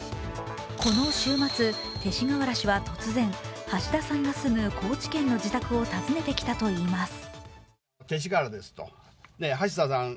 この週末、勅使河原氏は突然、橋田さんが住む高知県の自宅を訪ねてきたといいます。